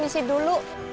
nanti saya ke sini dulu